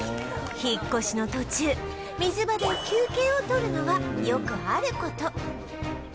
引っ越しの途中水場で休憩をとるのはよくある事